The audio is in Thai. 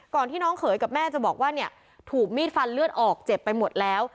ที่น้องเขยกับแม่จะบอกว่าเนี่ยถูกมีดฟันเลือดออกเจ็บไปหมดแล้ว